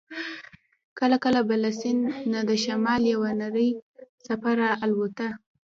کله کله به له سیند نه د شمال یوه نرۍ څپه را الوته.